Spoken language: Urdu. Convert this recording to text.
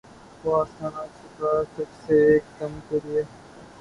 وہ آستاں نہ چھٹا تجھ سے ایک دم کے لیے